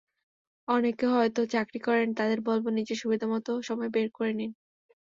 অনেকে হয়তো চাকরি করেন, তাঁদের বলব, নিজের সুবিধামতো সময় বের করে নিন।